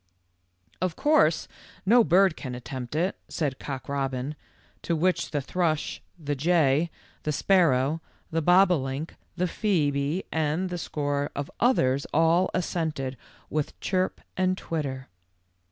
" Of course, no bird can attempt it," said Cock robin, to which the thrush, the jay, the THE END OF BLACK LIGHTNING. 85 sparrow, the bobolink, the phoebe, and a score of others all assented with chirp and twitter.